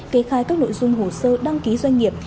kê khai các nội dung hồ sơ đăng ký doanh nghiệp